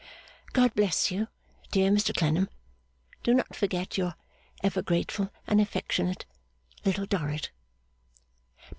God bless you, dear Mr Clennam. Do not forget Your ever grateful and affectionate LITTLE DORRIT.